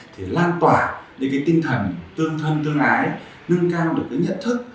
thì lan tỏa đến cái tinh thần tương thân tương ái nâng cao được cái nhận thức